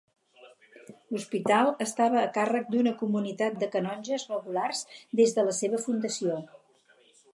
L'hospital estava a càrrec d'una comunitat de canonges regulars des de la seva fundació.